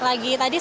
lagi tadi sih